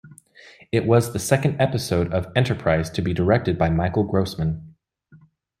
It was the second episode of "Enterprise" to be directed by Michael Grossman.